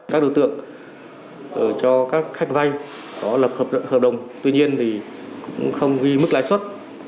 các đối tượng cho các khách vay có lập hợp đồng tuy nhiên thì cũng không ghi mức lãi suất